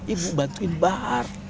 ibu bantuin bahar